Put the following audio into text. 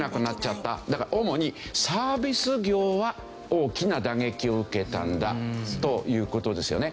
だから主にサービス業は大きな打撃を受けたんだという事ですよね。